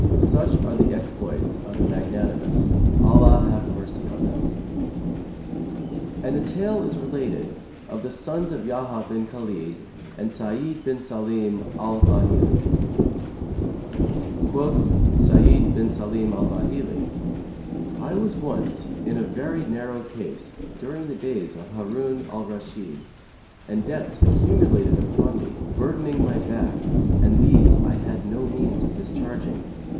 Such are the exploits of the magnanimous, Allah have mercy on them! And a tale is related of THE SONS OF YAHYA BIN KHALID AND SA'ID BIN SALIM AL BAHILI Quoth Sa'νd bin Sαlim al'Bαhilν,[FN#135] I was once in very narrow case, during the days of Harun al Rashid, and debts accumulated upon me, burdening my back, and these I had no means of discharging.